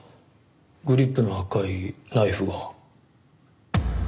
グリップの赤いナイフが。